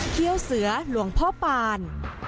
เที่ยวเสือหลวงพ่อปาน